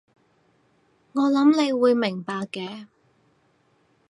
我諗你會明白嘅